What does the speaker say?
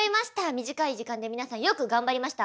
短い時間で皆さんよく頑張りました。